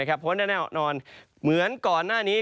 เพราะว่าแน่นอนเหมือนก่อนหน้านี้